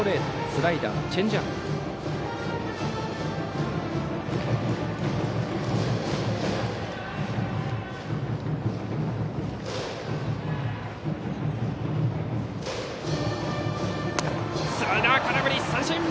スライダー、空振り三振！